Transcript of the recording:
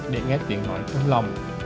để nghe tiếng hỏi trong lòng